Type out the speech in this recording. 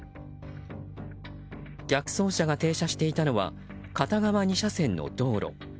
逆走車が停車していたのは片側２車線の道路。